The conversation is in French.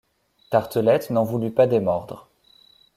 Tartelett n’en voulut pas démordre.